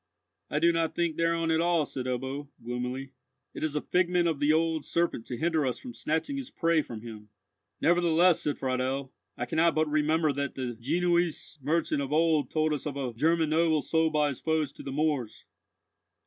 "I do not think thereon at all," said Ebbo, gloomily. "It is a figment of the old serpent to hinder us from snatching his prey from him." "Nevertheless," said Friedel, "I cannot but remember that the Genoese merchant of old told us of a German noble sold by his foes to the Moors."